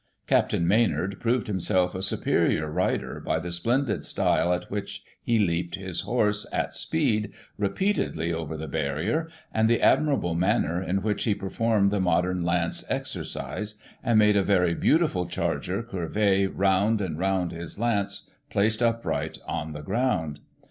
Captain Maynsird proved himself a superior rider, by the splendid style at which he leaped his horse, at speed, repeatedly over the barrier, and the admirable manner in which he performed the modem lance exercise, and made a very beautiful charger curvet roimd and round his lance placed upright on the ground.